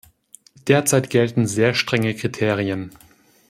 Derzeit gelten sehr strenge Kriterien.